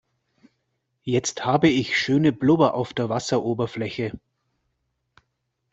Jetzt habe ich schöne Blubber auf der Wasseroberfläche.